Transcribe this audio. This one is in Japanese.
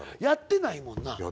やってないもんな